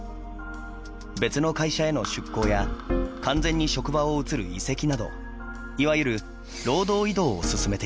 別の会社への出向や完全に職場を移る移籍などいわゆる労働移動を進めています。